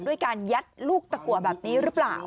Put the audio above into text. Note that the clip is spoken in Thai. ด้วยการยัดลูกตะกัวแบบนี้หรือเปล่า